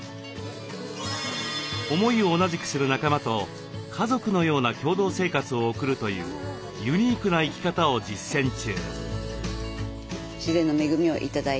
思いを同じくする仲間と家族のような共同生活を送るというユニークな生き方を実践中。